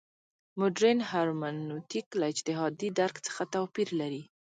مډرن هرمنوتیک له اجتهادي درک څخه توپیر لري.